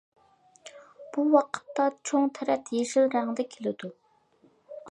بۇ ۋاقىتتا چوڭ تەرەت يېشىل رەڭدە كېلىدۇ.